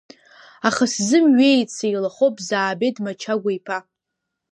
Аха сзымҩеит, сеилахоуп, Заабеҭ Мачагәа-иԥа.